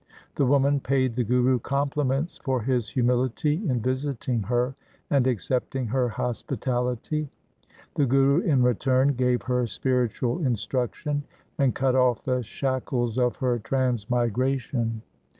The woman paid the Guru compliments for his humility in visiting her and accepting her hospitality. The Guru in return gave her spiritual instruction, and cut off the shackles of her transmigration.